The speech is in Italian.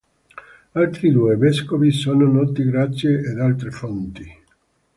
Altri due vescovi sono noti grazie ad altre fonti.